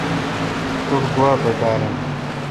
توٹھ گوا پکار این۔